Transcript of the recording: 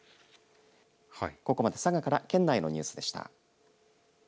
ここまで佐賀から県内のニュースでした。